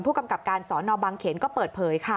กำกับการสอนอบังเขนก็เปิดเผยค่ะ